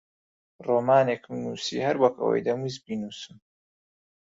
ڕۆمانێکم نووسی هەر وەک ئەوەی دەمویست بینووسم.